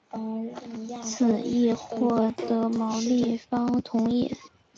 此议获得毛利方同意。